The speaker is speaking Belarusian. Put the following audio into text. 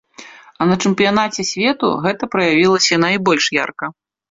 А на чэмпіянаце свету гэта праявілася найбольш ярка.